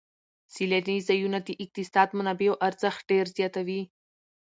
سیلاني ځایونه د اقتصادي منابعو ارزښت ډېر زیاتوي.